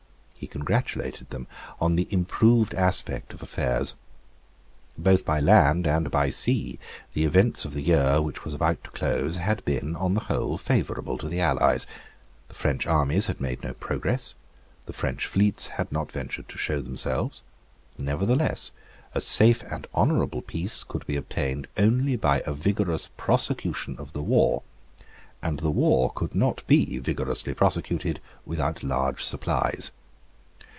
He congratulated them on the improved aspect of affairs. Both by land and by sea the events of the year which was about to close had been, on the whole, favourable to the allies; the French armies had made no progress; the French fleets had not ventured to show themselves; nevertheless, a safe and honourable peace could be obtained only by a vigorous prosecution of the war; and the war could not be vigorously prosecuted without large supplies.